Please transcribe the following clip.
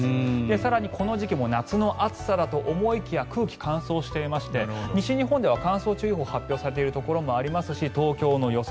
更に、この時期夏の暑さだと思いきや空気、乾燥していまして西日本では乾燥注意報が発表されているところもありますし東京の予想